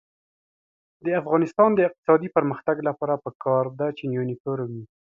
د افغانستان د اقتصادي پرمختګ لپاره پکار ده چې یونیفورم وي.